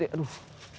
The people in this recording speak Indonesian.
gigit ya aduh